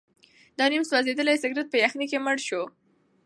دا نیم سوځېدلی سګرټ په یخنۍ کې مړ شو.